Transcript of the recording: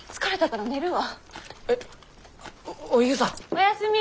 おやすみ。